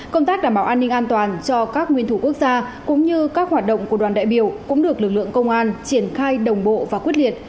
công tác đảm bảo an ninh an toàn cho các nguyên thủ quốc gia cũng như các hoạt động của đoàn đại biểu cũng được lực lượng công an triển khai đồng bộ và quyết liệt